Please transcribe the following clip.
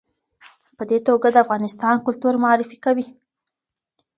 په دې توګه د افغانستان کلتور معرفي کوي.